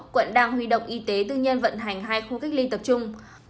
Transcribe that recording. quận đang huy động y tế tư nhân vận hành hai khu cách ly tập trung